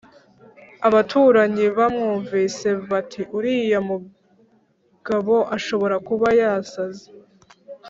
" abaturanyi bamwumvise bati "uriya mugabo ashobora kuba yasaze.